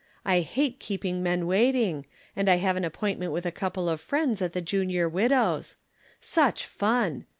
I hate keeping men waiting, and I have an appointment with a couple of friends at the Junior Widows'. Such fun!